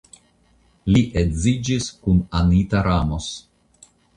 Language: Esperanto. Li edziĝis kun Anita Ramos.